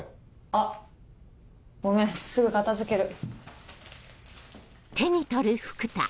あっごめんすぐ片付ける。